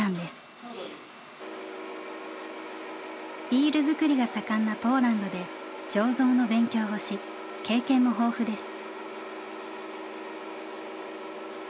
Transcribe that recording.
ビール造りが盛んなポーランドで醸造の勉強をし経験も豊富です。